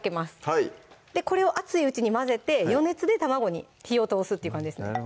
はいこれを熱いうちに混ぜて余熱で卵に火を通すって感じですね